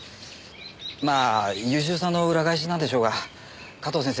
まあ優秀さの裏返しなんでしょうが加藤先生